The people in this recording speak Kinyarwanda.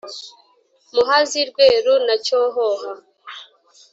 muhazi, rweru na cyohoha,